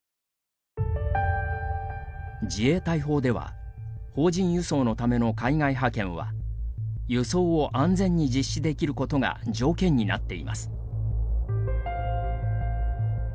自衛隊法では邦人輸送のための海外派遣は輸送を安全に実施できることが条件になっています。